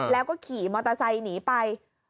แล้วก็ขี่มอเตอร์ไซค์หนีไป